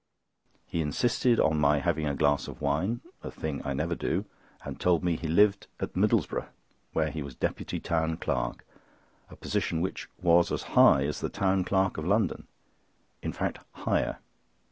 He insisted on my having a glass of wine (a thing I never do), and told me he lived at Middlesboro', where he was Deputy Town Clerk, a position which was as high as the Town Clerk of London—in fact, higher.